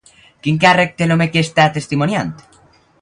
Quin càrrec té l'home que està testimoniant?